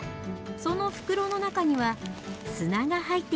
その袋の中には砂が入っています。